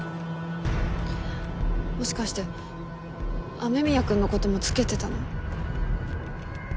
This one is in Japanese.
もしかして雨宮くんの事もつけてたの？